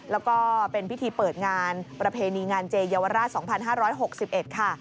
แล้วก็เป็นพิธีเปิดงานประเพณีงานเจเยาวราช๒๕๖๑ค่ะ